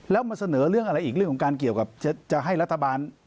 แล้วมาเสนอเรื่องอะไรอีกเรื่องของการเกี่ยวกับจะให้รัฐบาล